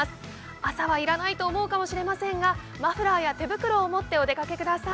朝はいらないと思うかもしれませんがマフラーや手袋を持ってお出かけください。